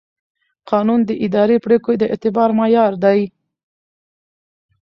قانون د اداري پرېکړو د اعتبار معیار دی.